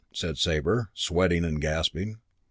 said Sabre, sweating and gasping.